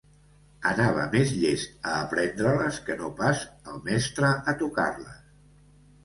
Anava més llest a aprendre-les que no pas el mestre a tocar-les